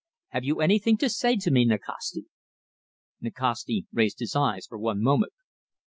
Have you anything to say to me, Nikasti?" Nikasti raised his eyes for one moment.